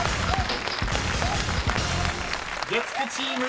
［月９チーム